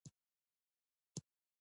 له دې سره له وره ووت.